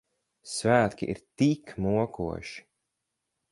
Svētki ir tik mokoši.